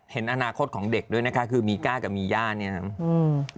เห็นอนาคตของเด็กด้วยนะคะคือมีก้ากับมีย่าเนี่ยนะอืม